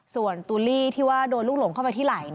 ส่วนตูลลี่ที่ว่าโดนลูกหลงเข้าไปที่ไหล่